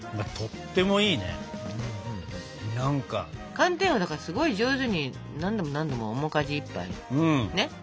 寒天はだからすごい上手に何度も何度も面かじいっぱいねやってたから。